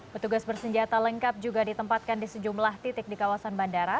petugas bersenjata lengkap juga ditempatkan di sejumlah titik di kawasan bandara